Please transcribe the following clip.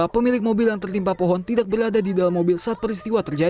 api sudah dibunuh sementara lagi akan seperti biasa